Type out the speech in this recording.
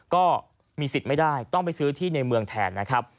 ก็มีสิทธิ์ไม่ได้ต้องไปซื้อที่ในเมืองแทนนะครับ